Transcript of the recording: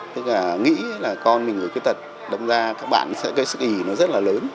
tức là nghĩ là con mình người khuyết tật đông ra các bạn sẽ gây sức ý nó rất là lớn